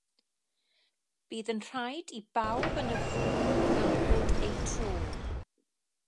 Bydd yn rhaid i bawb yn y grŵp gymryd eu tro.